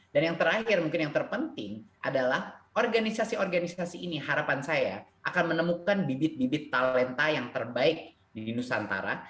yang terakhir mungkin yang terpenting adalah organisasi organisasi ini harapan saya akan menemukan bibit bibit talenta yang terbaik di nusantara